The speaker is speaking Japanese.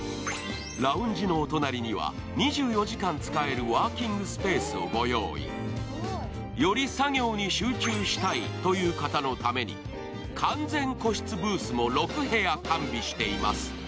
ラウンジのお隣には２４時間使えるワーキングスペースをご用意。より作業に集中したいという方のために完全個室ブースも６部屋完備しています。